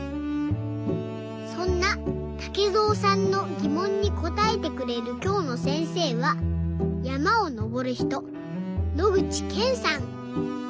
そんなたけぞうさんのぎもんにこたえてくれるきょうのせんせいはやまをのぼるひと野口健さん。